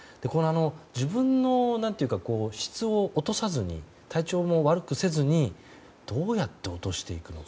自分の質を落とさずに体調も悪くせずにどうやって落としていくのか。